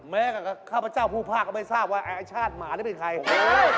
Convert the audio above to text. กับข้าพเจ้าผู้ภาคก็ไม่ทราบว่าไอ้ชาติหมานี่เป็นใคร